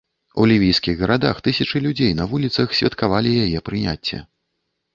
У лівійскіх гарадах тысячы людзей на вуліцах святкавалі яе прыняцце.